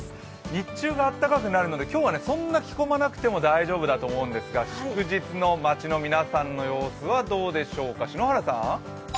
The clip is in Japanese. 日中が暖かくなるので今日はそんなに着込まなくても大丈夫だと思うんですが祝日の町の皆さんの様子はどうでしょうか。